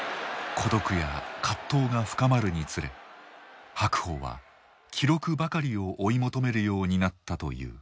孤独や葛藤が深まるにつれ白鵬は記録ばかりを追い求めるようになったという。